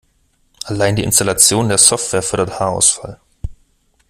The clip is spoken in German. Allein die Installation der Software fördert Haarausfall.